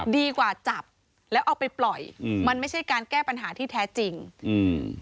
ดีกว่าจับแล้วเอาไปปล่อยอืมมันไม่ใช่การแก้ปัญหาที่แท้จริงอืม